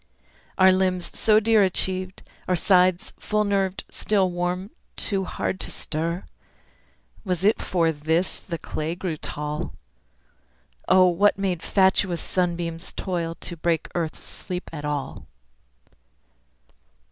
Are limbs, so dear achieved, are sides, Full nerved still warm too hard to stir? Was it for this the clay grew tall? O what made fatuous sunbeams toil To break the earth's sleep at all?